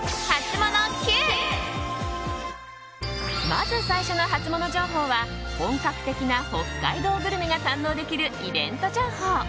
まず最初のハツモノ情報は本格的な北海道グルメが堪能できる、イベント情報。